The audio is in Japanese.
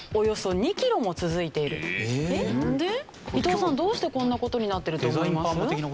伊藤さんどうしてこんな事になってると思います？